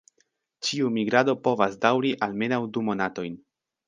Ĉiu migrado povas daŭri almenaŭ du monatojn.